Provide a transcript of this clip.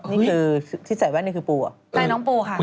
นี่คือที่ใส่แว่นนี่คือปูอ่ะ